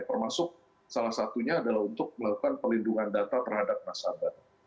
termasuk salah satunya adalah untuk melakukan pelindungan data terhadap nasabah